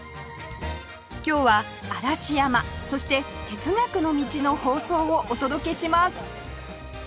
今日は嵐山そして哲学の道の放送をお届けします